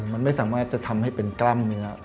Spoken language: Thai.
มันไม่สามารถจะทำให้เป็นกล้ามเนื้อ